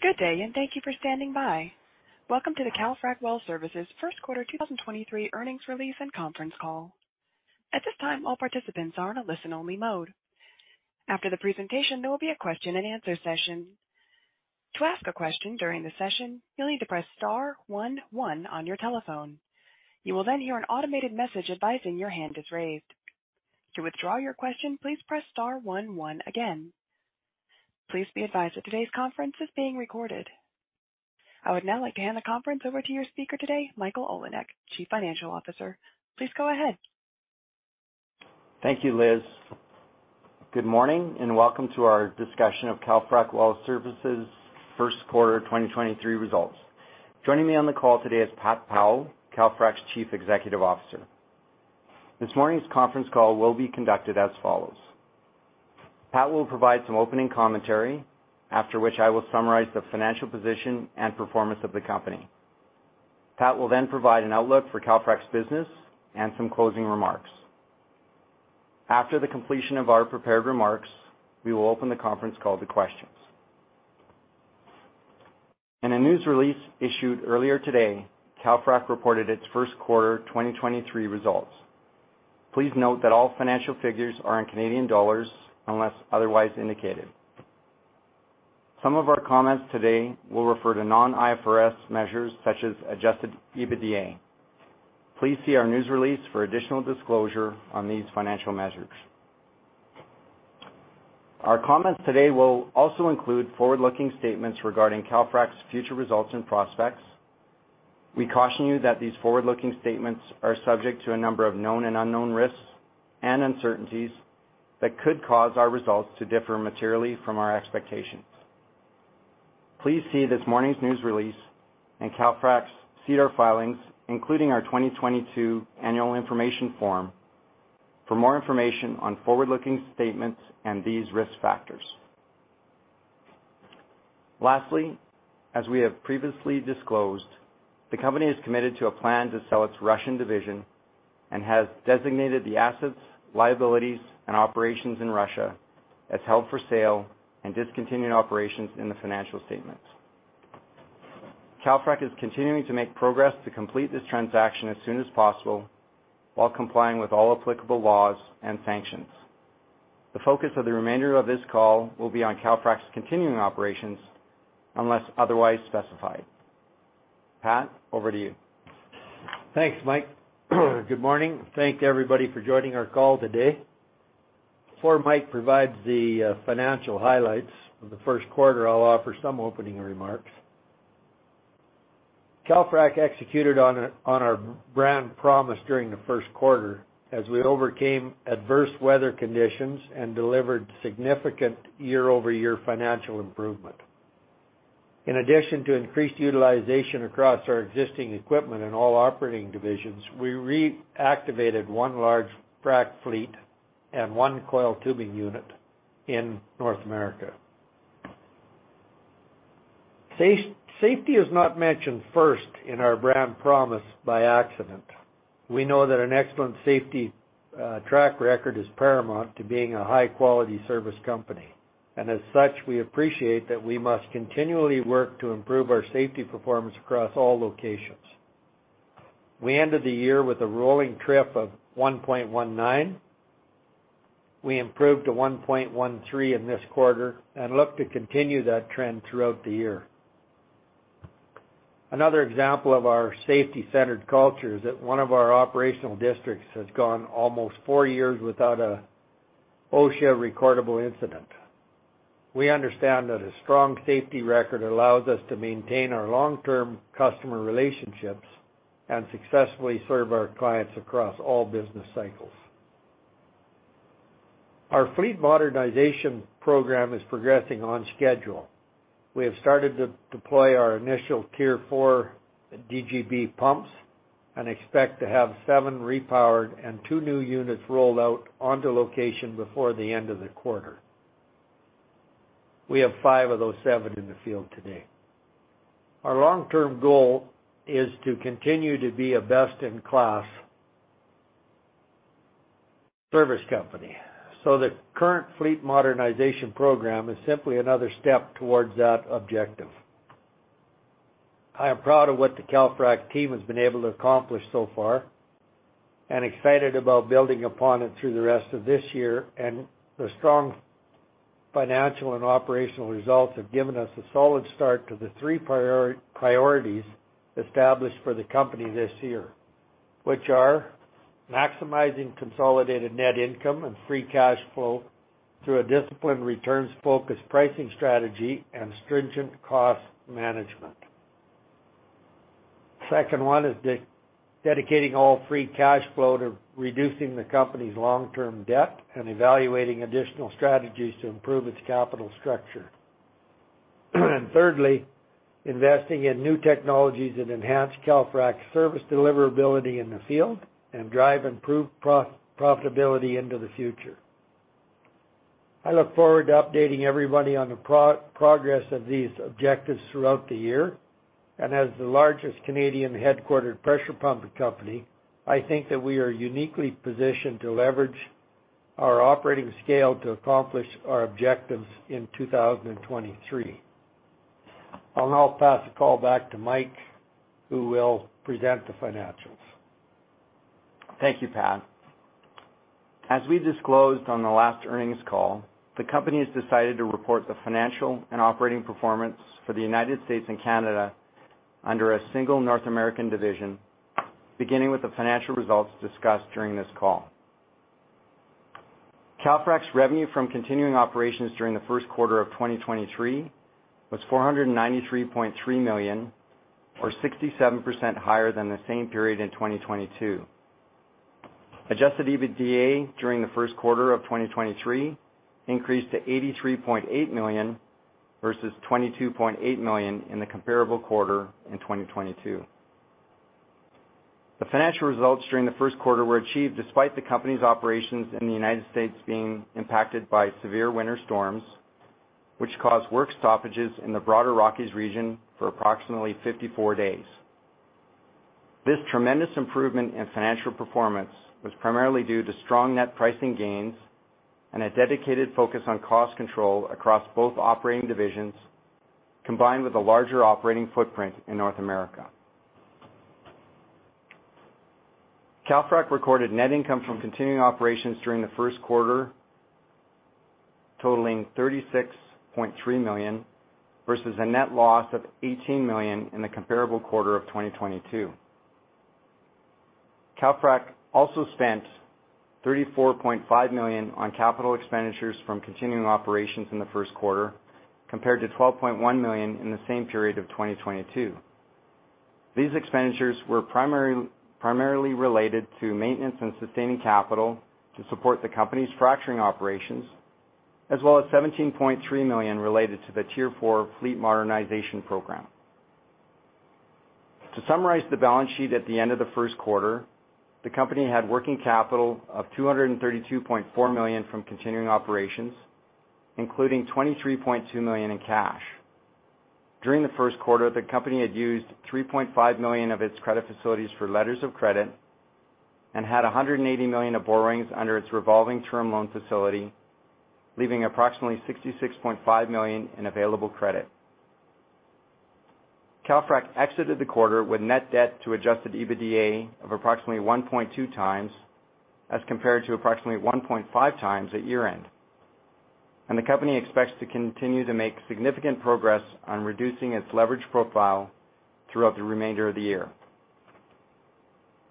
Good day, and thank you for standing by. Welcome to the Calfrac Well Services first quarter 2023 earnings release and conference call. At this time, all participants are in a listen-only mode. After the presentation, there will be a question-and-answer session. To ask a question during the session, you'll need to press star 11 on your telephone. You will then hear an automated message advising your hand is raised. To withdraw your question, please press star 11 again. Please be advised that today's conference is being recorded. I would now like to hand the conference over to your speaker today, Michael Olinek, Chief Financial Officer. Please go ahead. Thank you, Liz. Good morning, welcome to our discussion of Calfrac Well Services first quarter 2023 results. Joining me on the call today is Pat Powell, Calfrac's Chief Executive Officer. This morning's conference call will be conducted as follows: Pat will provide some opening commentary, after which I will summarize the financial position and performance of the company. Pat will provide an outlook for Calfrac's business and some closing remarks. After the completion of our prepared remarks, we will open the conference call to questions. In a news release issued earlier today, Calfrac reported its first quarter 2023 results. Please note that all financial figures are in Canadian dollars unless otherwise indicated. Some of our comments today will refer to non-IFRS measures such as adjusted EBITDA. Please see our news release for additional disclosure on these financial measures. Our comments today will also include forward-looking statements regarding Calfrac's future results and prospects. We caution you that these forward-looking statements are subject to a number of known and unknown risks and uncertainties that could cause our results to differ materially from our expectations. Please see this morning's news release and Calfrac's SEDAR filings, including our 2022 annual information form, for more information on forward-looking statements and these risk factors. As we have previously disclosed, the company is committed to a plan to sell its Russian division and has designated the assets, liabilities, and operations in Russia as held for sale and discontinued operations in the financial statements. Calfrac is continuing to make progress to complete this transaction as soon as possible while complying with all applicable laws and sanctions. The focus of the remainder of this call will be on Calfrac's continuing operations unless otherwise specified. Pat, over to you. Thanks, Mike. Good morning. Thank you, everybody, for joining our call today. Before Mike provides the financial highlights of the first quarter, I'll offer some opening remarks. Calfrac executed on our brand promise during the first quarter as we overcame adverse weather conditions and delivered significant year-over-year financial improvement. In addition to increased utilization across our existing equipment in all operating divisions, we reactivated one large frac fleet and one coiled tubing unit in North America. Safety is not mentioned first in our brand promise by accident. We know that an excellent safety track record is paramount to being a high-quality service company. As such, we appreciate that we must continually work to improve our safety performance across all locations. We ended the year with a rolling TRIR of 1.19. We improved to 1.13 in this quarter and look to continue that trend throughout the year. Another example of our safety-centered culture is that one of our operational districts has gone almost four years without an OSHA recordable incident. We understand that a strong safety record allows us to maintain our long-term customer relationships and successfully serve our clients across all business cycles. Our fleet modernization program is progressing on schedule. We have started to deploy our initial Tier 4 DGB pumps and expect to have seven repowered and two new units rolled out onto location before the end of the quarter. We have five of those seven in the field today. Our long-term goal is to continue to be a best-in-class service company, so the current fleet modernization program is simply another step towards that objective. I am proud of what the Calfrac team has been able to accomplish so far and excited about building upon it through the rest of this year. The strong financial and operational results have given us a solid start to the three priorities established for the company this year, which are maximizing consolidated net income and free cash flow through a disciplined returns-focused pricing strategy and stringent cost management. Second one is dedicating all free cash flow to reducing the company's long-term debt and evaluating additional strategies to improve its capital structure. Thirdly, investing in new technologies that enhance Calfrac's service deliverability in the field and drive improved profitability into the future. I look forward to updating everybody on the progress of these objectives throughout the year. As the largest Canadian headquartered pressure pumping company, I think that we are uniquely positioned to leverage our operating scale to accomplish our objectives in 2023. I'll now pass the call back to Mike, who will present the financials. Thank you, Pat. As we disclosed on the last earnings call, the company has decided to report the financial and operating performance for the United States and Canada under a single North American division, beginning with the financial results discussed during this call. Calfrac's revenue from continuing operations during the first quarter of 2023 was 493.3 million, or 67% higher than the same period in 2022. adjusted EBITDA during the first quarter of 2023 increased to 83.8 million versus 22.8 million in the comparable quarter in 2022. The financial results during the first quarter were achieved despite the company's operations in the United States being impacted by severe winter storms, which caused work stoppages in the broader Rockies region for approximately 54 days. This tremendous improvement in financial performance was primarily due to strong net pricing gains and a dedicated focus on cost control across both operating divisions, combined with a larger operating footprint in North America. Calfrac recorded net income from continuing operations during the first quarter totaling 36.3 million, versus a net loss of 18 million in the comparable quarter of 2022. Calfrac also spent 34.5 million on capital expenditures from continuing operations in the first quarter, compared to 12.1 million in the same period of 2022. These expenditures were primarily related to maintenance and sustaining capital to support the company's fracturing operations, as well as 17.3 million related to the Tier 4 fleet modernization program. To summarize the balance sheet at the end of the first quarter, the company had working capital of 232.4 million from continuing operations, including 23.2 million in cash. During the first quarter, the company had used 3.5 million of its credit facilities for letters of credit and had 180 million of borrowings under its revolving term loan facility, leaving approximately 66.5 million in available credit. Calfrac exited the quarter with net debt to adjusted EBITDA of approximately 1.2 times as compared to approximately 1.5 times at year-end, the company expects to continue to make significant progress on reducing its leverage profile throughout the remainder of the year.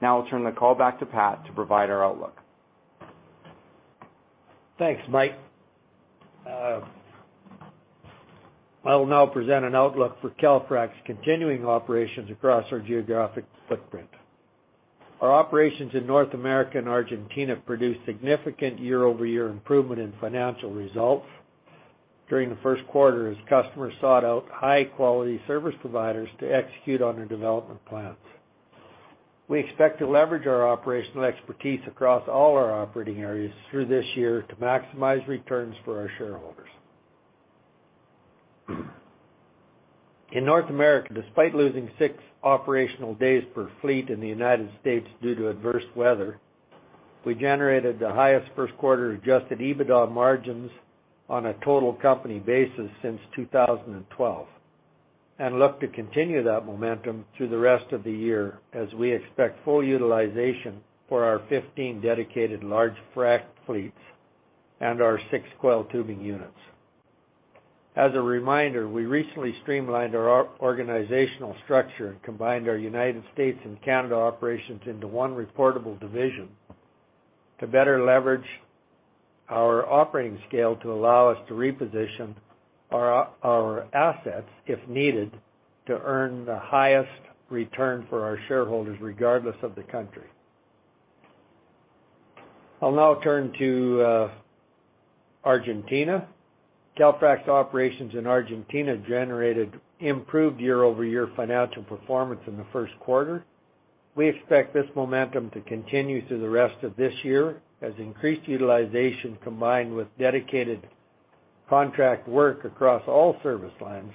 I'll turn the call back to Pat to provide our outlook. Thanks, Mike. I will now present an outlook for Calfrac's continuing operations across our geographic footprint. Our operations in North America and Argentina produced significant year-over-year improvement in financial results during the first quarter as customers sought out high-quality service providers to execute on their development plans. We expect to leverage our operational expertise across all our operating areas through this year to maximize returns for our shareholders. In North America, despite losing 6 operational days per fleet in the United States due to adverse weather, we generated the highest first quarter adjusted EBITDA margins on a total company basis since 2012, and look to continue that momentum through the rest of the year as we expect full utilization for our 15 dedicated large frac fleets and our 6 coiled tubing units. As a reminder, we recently streamlined our organizational structure and combined our United States and Canada operations into one reportable division to better leverage our operating scale to allow us to reposition our assets, if needed, to earn the highest return for our shareholders, regardless of the country. I'll now turn to Argentina. Calfrac's operations in Argentina generated improved year-over-year financial performance in the first quarter. We expect this momentum to continue through the rest of this year as increased utilization combined with dedicated contract work across all service lines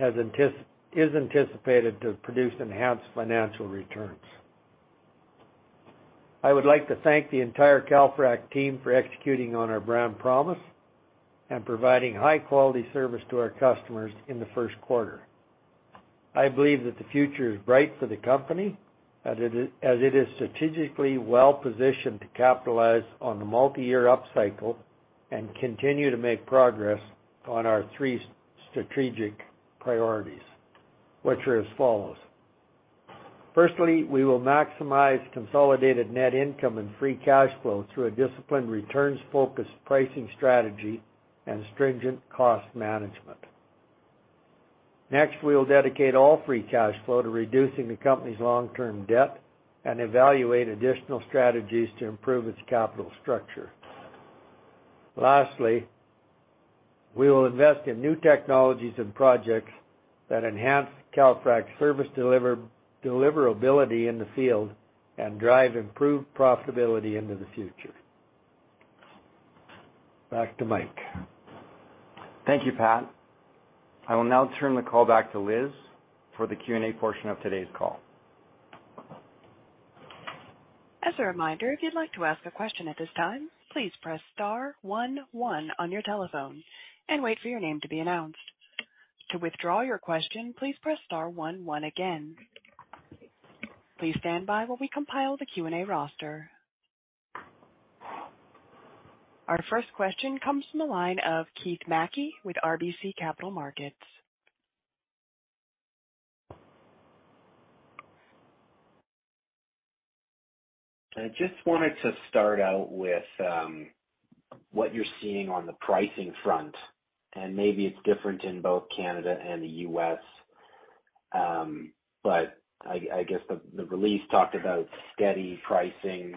is anticipated to produce enhanced financial returns. I would like to thank the entire Calfrac team for executing on our brand promise and providing high-quality service to our customers in the first quarter. I believe that the future is bright for the company as it is strategically well positioned to capitalize on the multi-year upcycle and continue to make progress on our three strategic priorities, which are as follows. Firstly, we will maximize consolidated net income and free cash flow through a disciplined returns-focused pricing strategy and stringent cost management. Next, we will dedicate all free cash flow to reducing the company's long-term debt and evaluate additional strategies to improve its capital structure. Lastly, we will invest in new technologies and projects that enhance Calfrac's service deliverability in the field and drive improved profitability into the future. Back to Mike. Thank you, Pat. I will now turn the call back to Liz for the Q&A portion of today's call. As a reminder, if you'd like to ask a question at this time, please press star one one on your telephone and wait for your name to be announced. To withdraw your question, please press star one one again. Please stand by while we compile the Q&A roster. Our first question comes from the line of Keith MacKey with RBC Capital Markets. I just wanted to start out with what you're seeing on the pricing front. Maybe it's different in both Canada and the U.S. I guess the release talked about steady pricing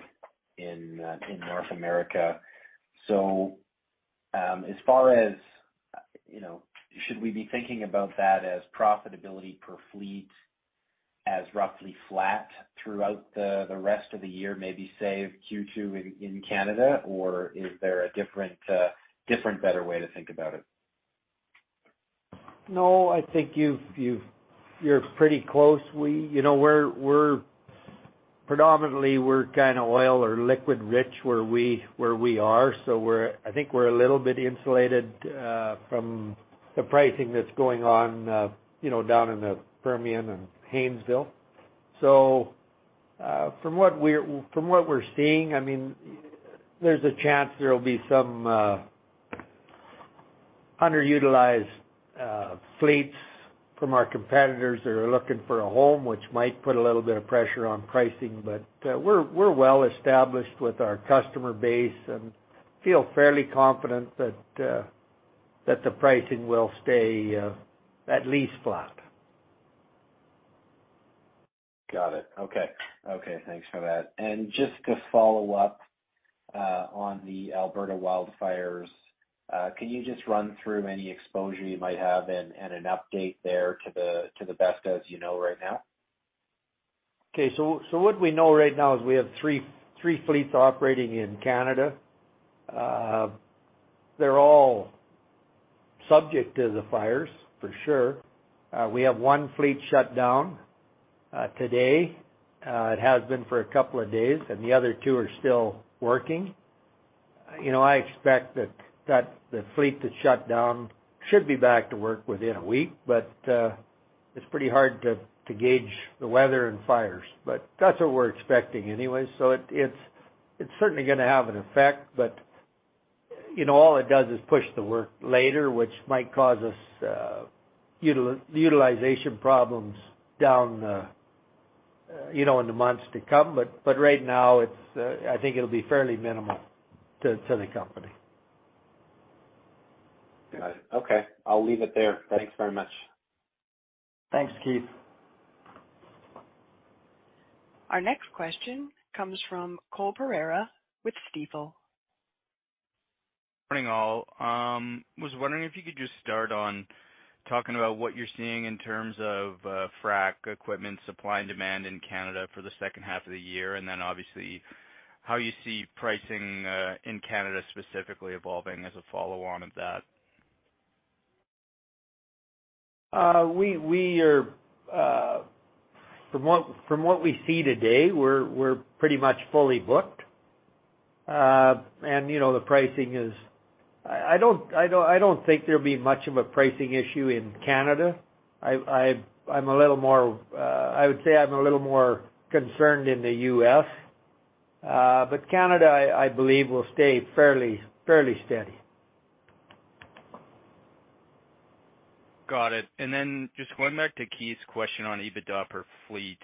in North America. As far as, you know, should we be thinking about that as profitability per fleet as roughly flat throughout the rest of the year, maybe say Q2 in Canada? Or is there a different better way to think about it? No, I think you've, you're pretty close. We, you know, we're predominantly we're kind of oil or liquid rich where we, where we are. I think we're a little bit insulated from the pricing that's going on, you know, down in the Permian and Haynesville. From what we're seeing, I mean, there's a chance there will be some underutilized fleets from our competitors that are looking for a home, which might put a little bit of pressure on pricing. We're well established with our customer base and feel fairly confident that the pricing will stay at least flat. Got it. Okay. Okay, thanks for that. Just to follow up, on the Alberta wildfires, can you just run through any exposure you might have and an update there to the, to the best as you know right now? Okay. What we know right now is we have three fleets operating in Canada. They're all subject to the fires for sure. We have 1 fleet shut down today. It has been for a couple of days, and the other two are still working. You know, I expect that the fleet that shut down should be back to work within a week, but it's pretty hard to gauge the weather and fires. That's what we're expecting anyway. It's certainly going to have an effect. You know, all it does is push the work later, which might cause us utilization problems down, you know, in the months to come. Right now, it's, I think it'll be fairly minimal to the company. Got it. Okay. I'll leave it there. Thanks very much. Thanks, Keith. Our next question comes from Cole Pereira with Stifel. Morning, all. was wondering if you could just start on talking about what you're seeing in terms of frac equipment supply and demand in Canada for the second half of the year, and then obviously how you see pricing in Canada specifically evolving as a follow-on of that? From what we see today, we're pretty much fully booked. You know, the pricing is. I don't think there'll be much of a pricing issue in Canada. I would say I'm a little more concerned in the U.S. Canada, I believe will stay fairly steady. Got it. Just going back to Keith's question on EBITDA per fleet.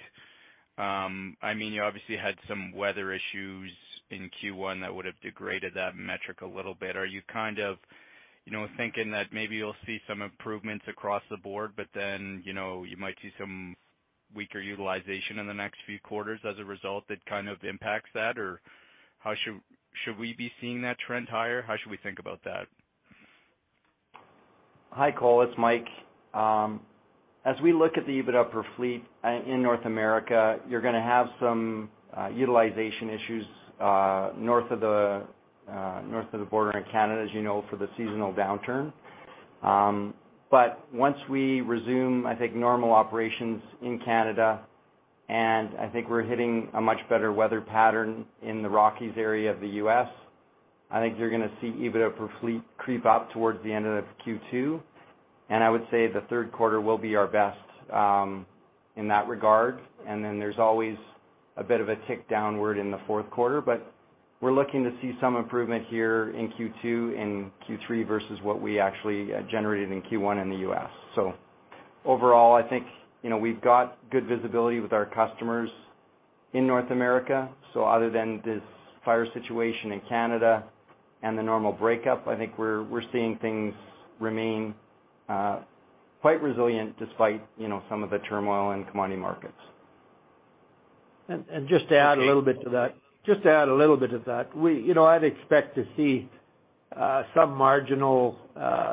I mean, you obviously had some weather issues in Q1 that would have degraded that metric a little bit. Are you kind of, you know, thinking that maybe you'll see some improvements across the board, but then, you know, you might see some weaker utilization in the next few quarters as a result that kind of impacts that? Or how should we be seeing that trend higher? How should we think about that? Hi, Cole. It's Mike. As we look at the EBITDA per fleet, in North America, you're going to have some utilization issues, north of the north of the border in Canada, as you know, for the seasonal downturn. Once we resume, I think, normal operations in Canada, I think we're hitting a much better weather pattern in the Rockies area of the U.S., I think you're going to see EBITDA per fleet creep up towards the end of Q2. I would say the third quarter will be our best, in that regard. Then there's always a bit of a tick downward in the fourth quarter. We're looking to see some improvement here in Q2 and Q3 versus what we actually generated in Q1 in the U.S. Overall, I think, you know, we've got good visibility with our customers in North America. Other than this fire situation in Canada and the normal breakup, I think we're seeing things remain quite resilient despite, you know, some of the turmoil in commodity markets. Just to add a little bit to that, we, you know, I'd expect to see some marginal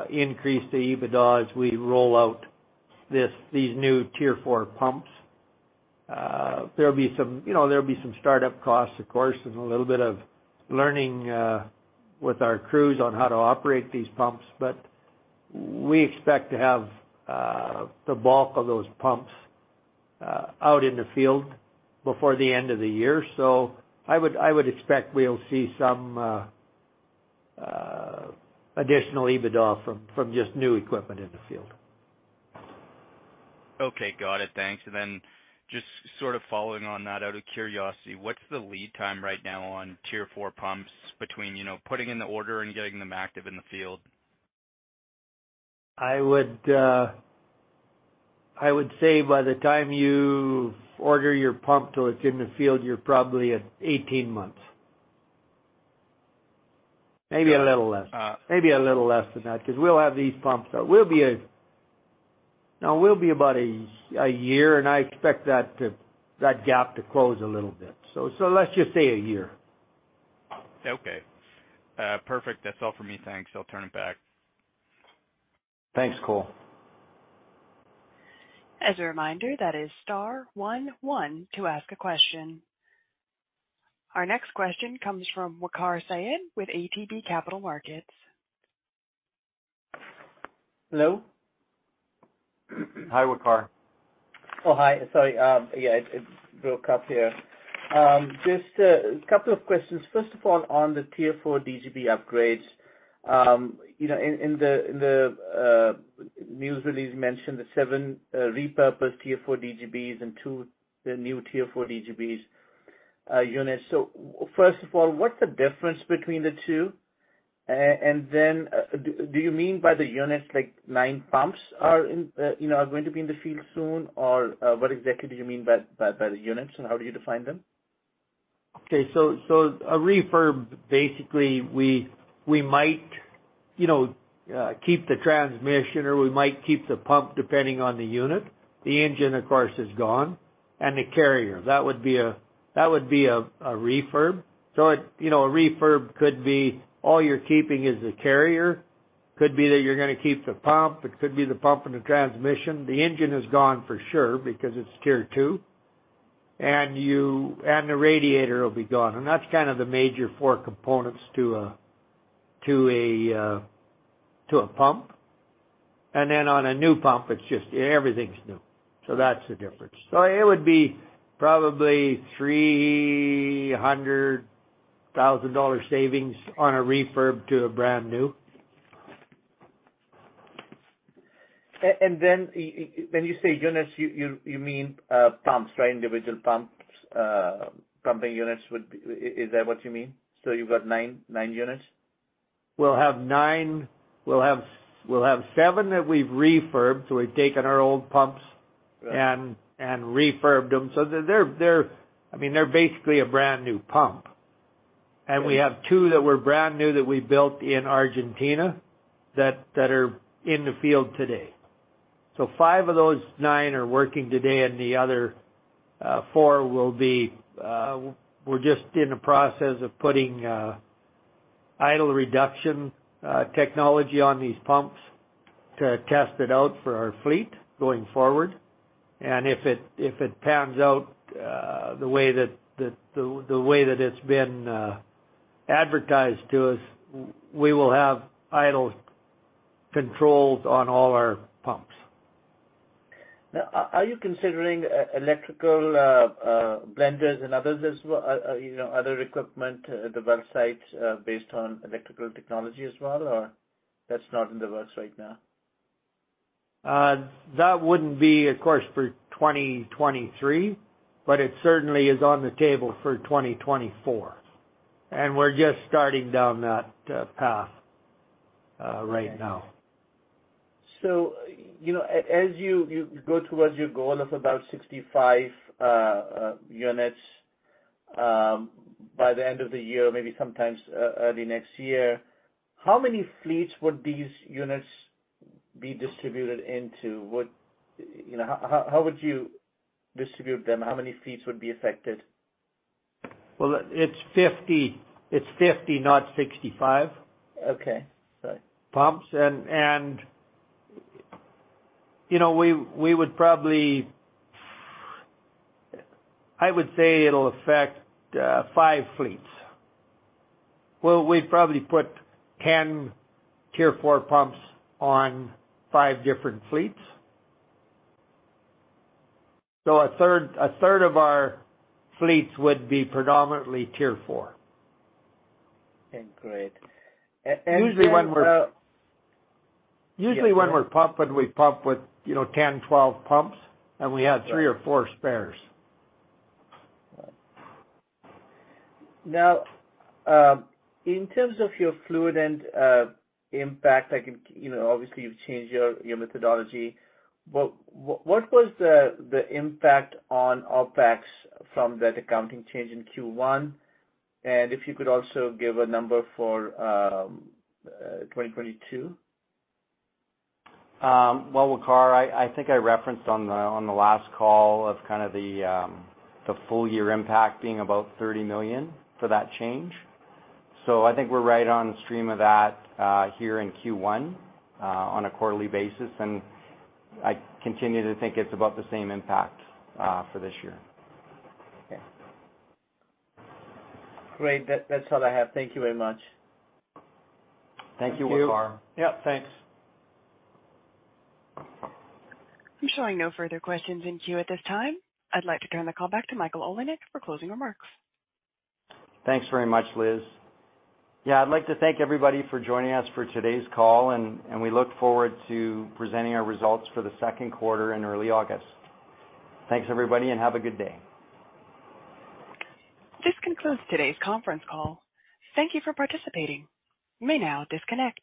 increase to EBITDA as we roll out this, these new Tier 4 pumps. There'll be some, you know, startup costs, of course, and a little bit of learning with our crews on how to operate these pumps. We expect to have the bulk of those pumps out in the field before the end of the year. I would expect we'll see some additional EBITDA from just new equipment in the field. Okay. Got it. Thanks. Then just sort of following on that, out of curiosity, what's the lead time right now on Tier 4 pumps between, you know, putting in the order and getting them active in the field? I would say by the time you order your pump till it's in the field, you're probably at 18 months. Maybe a little less. Uh. Maybe a little less than that, 'cause we'll have these pumps out. No, we'll be about a year, and I expect that gap to close a little bit. let's just say a year. Okay. perfect. That's all for me. Thanks. I'll turn it back. Thanks, Cole. As a reminder, that is star one one to ask a question. Our next question comes from Waqar Syed with ATB Capital Markets. Hello? Hi, Waqar. Oh, hi. Sorry. Yeah, it broke up here. Just a couple of questions. First of all, on the Tier 4 DGB upgrades. You know, in the news release mentioned the seven repurposed Tier 4 DGBs and two, the new Tier 4 DGBs units. First of all, what's the difference between the two? Then, do you mean by the units, like 9 pumps are in, you know, are going to be in the field soon? Or what exactly do you mean by the units and how do you define them? So a refurb, basically we might, you know, keep the transmission or we might keep the pump depending on the unit. The engine, of course, is gone, and the carrier. That would be a refurb. You know, a refurb could be all you're keeping is the carrier. Could be that you're going to keep the pump. It could be the pump and the transmission. The engine is gone for sure because it's Tier 2, and the radiator will be gone. That's kind of the major four components to a pump. Then on a new pump, it's just everything's new. That's the difference. It would be probably 300,000 dollar savings on a refurb to a brand new. When you say units, you mean pumps, right? Individual pumps, pumping units would be? Is that what you mean? You've got 9 units? We'll have nine. We'll have seven that we've refurbed. We've taken our old pumps. Right... and refurbed them so that they're... I mean, they're basically a brand new pump. Great. We have two that were brand new that we built in Argentina that are in the field today. Five of those nine are working today and the other four will be. We're just in the process of putting idle reduction technology on these pumps to test it out for our fleet going forward. If it, if it pans out, the way that, the way that it's been advertised to us, we will have idle controls on all our pumps. Are you considering electrical blenders and others as well, you know, other equipment at the well sites, based on electrical technology as well, or that's not in the works right now? That wouldn't be, of course, for 2023, but it certainly is on the table for 2024, and we're just starting down that path right now. You know, as you go towards your goal of about 65 units by the end of the year, maybe sometimes early next year, how many fleets would these units be distributed into? You know, how would you distribute them? How many fleets would be affected? Well, it's 50. It's 50, not 65. Okay. Sorry. Pumps. You know, we would probably, I would say it'll affect five fleets. Well, we'd probably put 10 Tier 4 pumps on five different fleets. A third of our fleets would be predominantly Tier 4. Okay, great. Usually when we're- Yeah, go ahead. Usually when we're pumping, we pump with, you know, 10, 12 pumps, and we have three or four spares. Right. Now, in terms of your fluid and impact, You know, obviously you've changed your methodology, but what was the impact on OpEx from that accounting change in Q1? If you could also give a number for 2022? Well, Waqar, I think I referenced on the, on the last call of kind of the full year impact being about 30 million for that change. I think we're right on the stream of that, here in Q1, on a quarterly basis, and I continue to think it's about the same impact, for this year. Okay. Great. That's all I have. Thank you very much. Thank you, Waqar. Yeah, thanks. I'm showing no further questions in queue at this time. I'd like to turn the call back to Michael Olinek for closing remarks. Thanks very much, Liz. Yeah, I'd like to thank everybody for joining us for today's call, and we look forward to presenting our results for the second quarter in early August. Thanks, everybody, and have a good day. This concludes today's conference call. Thank you for participating. You may now disconnect.